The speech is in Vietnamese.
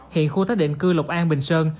hiện khu tác định cư lộc an bình sơn